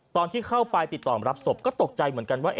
ตอนที่เข้าไปติดต่อรับศพก็ตกใจเหมือนกันว่า